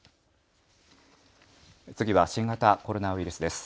次は新型コロナウイルスです。